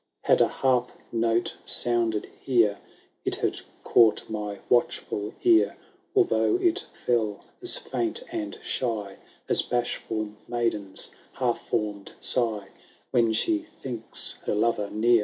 Had a harp note sounded here. It had caught my watchful ear. Although it fell as fiunt and shy As bashful maiden^s hal^fonn*d sigh, When she thinks her lover near."